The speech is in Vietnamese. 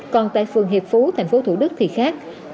còn tại phường hiệp phú thành phố thủ đức thì khác